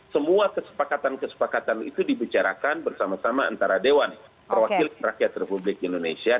semua kesepakatan kesepakatan itu dibicarakan bersama sama antara dewan perwakilan rakyat republik indonesia